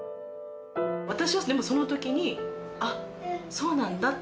私はでもその時にあっそうなんだって